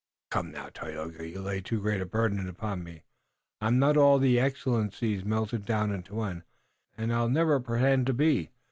"Come, now, Tayoga, you lay too great a burden upon me. I'm not all the excellencies melted into one, and I've never pretended to be.